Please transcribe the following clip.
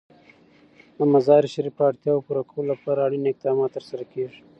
د مزارشریف د اړتیاوو پوره کولو لپاره اړین اقدامات ترسره کېږي.